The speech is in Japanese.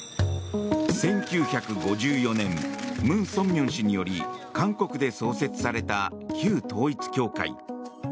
１９５４年ムン・ソンミョン氏により韓国で創設された旧統一教会。